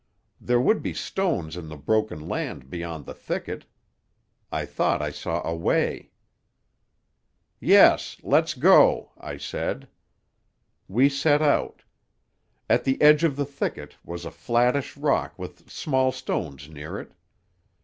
There would be stones in the broken land beyond the thicket. I thought I saw a way. "'Yes. Let's go,' I said. "We set out. At the edge of the thicket was a flattish rock with small stones near it.